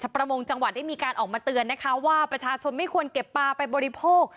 ประมงจังหวัดได้มีการออกมาเตือนนะคะว่าประชาชนไม่ควรเก็บปลาไปบริโภค